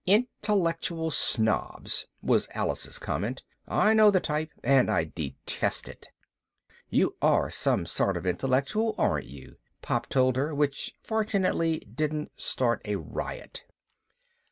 "Intellectual snobs," was Alice's comment. "I know the type and I detest it." ("You are sort of intellectual, aren't you?" Pop told her, which fortunately didn't start a riot.)